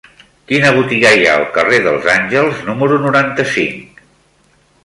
Quina botiga hi ha al carrer dels Àngels número noranta-cinc?